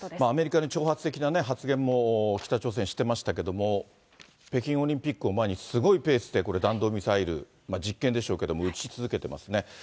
アメリカに挑発的な発言も北朝鮮、してましたけども、北京オリンピックを前に、すごいペースでこれ、弾道ミサイル、実験でしょうけども、撃ち続けてますね。